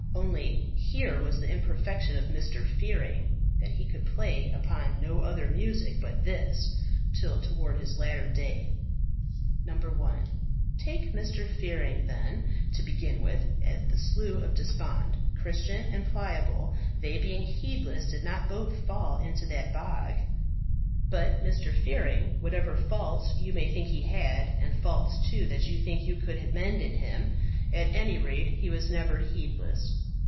Only, here was the imperfection of Mr. Fearing, that he could play upon no other music but this till toward his latter end." 1. Take Mr. Fearing, then, to begin with, at the Slough of Despond. Christian and Pliable, they being heedless, did both fall into that bog. But Mr. Fearing, whatever faults you may think he had and faults, too, that you think you could mend in him at any rate, he was never heedless.